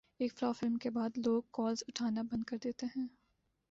ایک flop film کے بعد لوگ کالز اٹھانا بند کردیتے ہیں